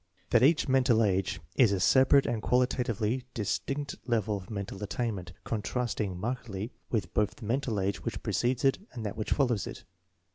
That each "mental age' 9 is a separate and quali tatively distinct level of mental attainment, contrast ing markedly with both the mental age which precedes it and that which follows it.